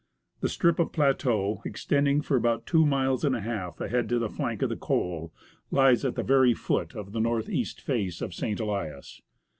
The strip of plateau, extending for about two miles and a half ahead to the flank of the co/, lies at the very foot of the north east face of St. Elias.